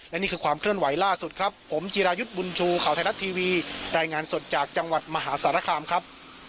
และนี่คือความเคลื่อนไหวล่าสุดครับผมจีรายุทธ์บุญชูข่าวไทยรัฐทีวีรายงานสดจากจังหวัดมหาสารคามครับ